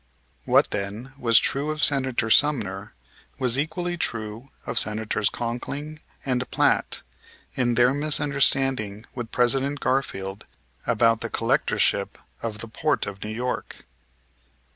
What, then, was true of Senator Sumner was equally true of Senators Conkling and Platt in their misunderstanding with President Garfield about the Collectorship of the port of New York.